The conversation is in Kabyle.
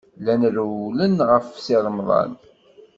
Llan rewwlen ɣef Si Remḍan.